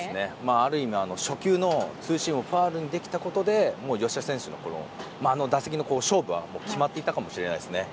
ある意味初球のツーシームをファウルにできたことでもう、吉田選手にあの打席の勝負は決まっていたかもしれませんね。